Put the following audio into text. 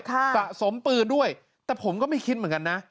สะสมปืนด้วยแต่ผมก็ไม่คิดเหมือนกันนะ